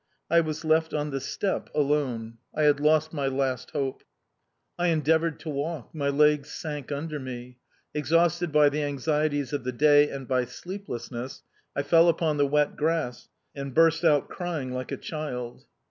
I was left on the steppe, alone; I had lost my last hope. I endeavoured to walk my legs sank under me; exhausted by the anxieties of the day and by sleeplessness, I fell upon the wet grass and burst out crying like a child.